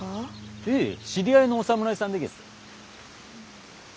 へえ知り合いのお侍さんでげす。